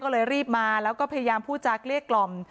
ก็เลยรีบมาแล้วก็พยายามพูดจากเกลี้ยกล่อม